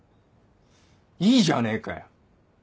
いいじゃねえかよ！